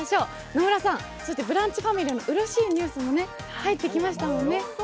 野村さん、ブランチファミリーのうれしいニュースも入ってきましたもんね。